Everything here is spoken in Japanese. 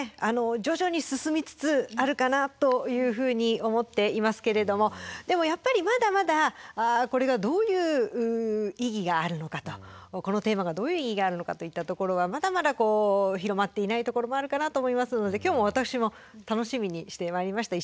徐々に進みつつあるかなというふうに思っていますけれどもでもやっぱりまだまだこれがどういう意義があるのかとこのテーマがどういう意義があるのかといったところはまだまだ広まっていないところもあるかなと思いますので今日も私も楽しみにしてまいりました。